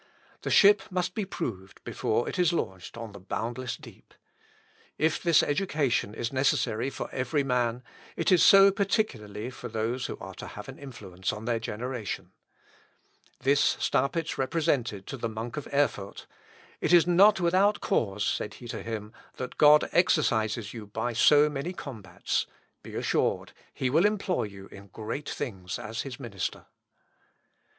The ship must be proved before it is launched on the boundless deep. If this education is necessary for every man, it is so particularly for those who are to have an influence on their generation. This Staupitz represented to the monk of Erfurt; "It is not without cause," said he to him, "that God exercises you by so many combats; be assured he will employ you in great things as his minister."